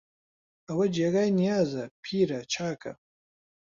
ئەوە جێگای نیازە، پیرە، چاکە